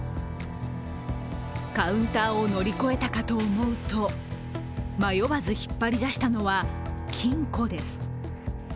カウンターを乗り越えたかと思うと、迷わず引っ張り出したのは金庫です。